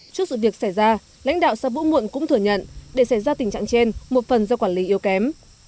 trước sự việc xảy ra lãnh đạo xã vũ muộn cũng thừa nhận để xảy ra tình trạng trên một phần do quản lý yếu kém